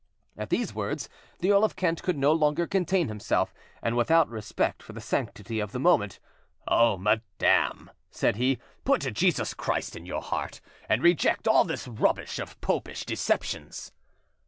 At these words the Earl of Kent could no longer contain himself, and without respect for the sanctity of the moment— "Oh, madam," said he, "put Jesus Christ in your heart, and reject all this rubbish of popish deceptions."